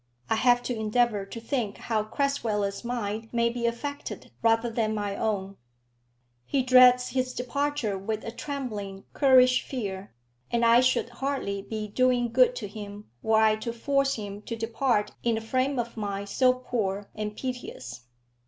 I have to endeavour to think how Crasweller's mind may be affected rather than my own. He dreads his departure with a trembling, currish fear; and I should hardly be doing good to him were I to force him to depart in a frame of mind so poor and piteous.